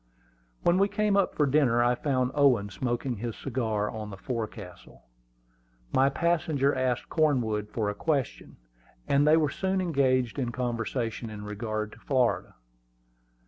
When we came up from dinner I found Owen smoking his cigar on the forecastle. My passenger asked Cornwood a question, and they were soon engaged in conversation in regard to Florida.